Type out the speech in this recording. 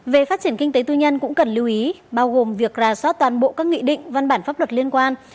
về phát triển kinh tế tư nhân cũng cần lưu ý bao gồm việc rà soát toàn bộ các nghị định văn bản pháp luật liên quan